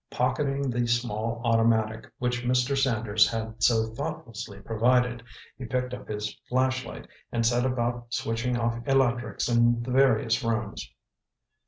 Pocketing the small automatic which Mr. Sanders had so thoughtlessly provided, he picked up his flashlight, and set about switching off electrics in the various rooms.